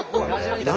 何？